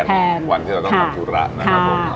แทนวันที่เราต้องทำธุระนะครับผม